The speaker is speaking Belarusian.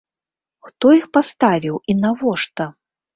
Хто іх паставіў і навошта?